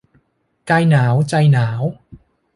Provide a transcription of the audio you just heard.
กายหนาว ใจหนาว